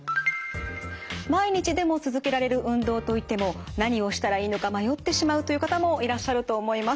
毎日でも続けられる運動と言っても何をしたらいいのか迷ってしまうという方もいらっしゃると思います。